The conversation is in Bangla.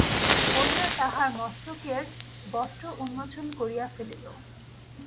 বলিয়া তাহার মস্তকের বস্ত্র উন্মোচন করিয়া ফেলিল।